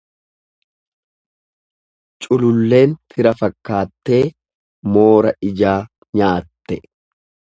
Cululleen fira fakkaattee moora ijaa nyaatte.